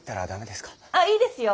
あっいいですよ